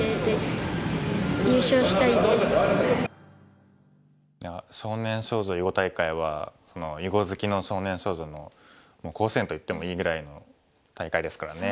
いや少年少女囲碁大会は囲碁好きの少年少女の甲子園といってもいいぐらいの大会ですからね。